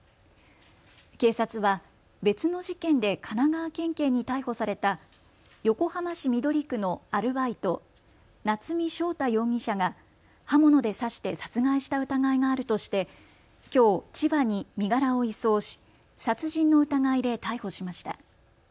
警察は別の事件で神奈川県警に逮捕された横浜市緑区のアルバイト、夏見翔太容疑者が刃物で刺して殺害した疑いがあるとしてきょう、千葉に身柄を移送し殺人の疑いで逮捕しました。